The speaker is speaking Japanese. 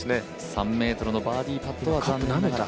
３ｍのバーディーパットは残念ながら。